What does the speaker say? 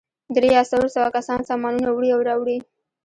درې یا څلور سوه کسان سامانونه وړي او راوړي.